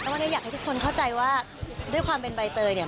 วันนี้อยากให้ทุกคนเข้าใจว่าด้วยความเป็นใบเตยเนี่ย